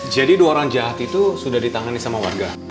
dua orang jahat itu sudah ditangani sama warga